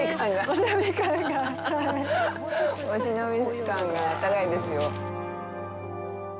お忍び感が高いですよ。